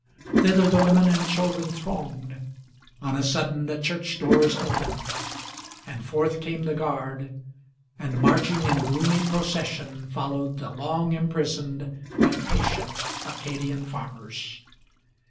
Thither the women and children thronged. On a sudden the church doors Opened, and forth came the guard, and marching in gloomy procession Followed the long imprisoned, but patient, Acadian farmers.